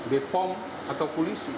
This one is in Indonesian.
bepom atau pulisi